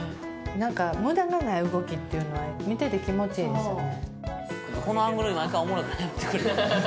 何か無駄のない動きっていうのは見てて気持ちいいですよね